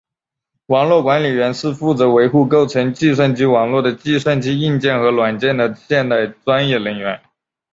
网络管理员是负责维护构成计算机网络的计算机硬件和软件的现代专业人员。